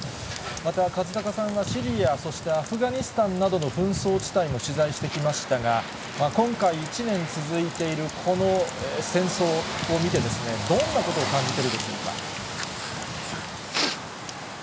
また、和孝さんが、シリア、アフガニスタンなどの紛争地帯も取材してきましたが、今回、１年続いているこの戦争を見て、どんなことを感じてるでしょうか。